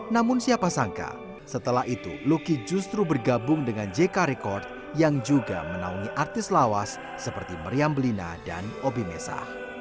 namun siapa sangka setelah itu luki justru bergabung dengan jk record yang juga menaungi artis lawas seperti meriam belina dan obi mesa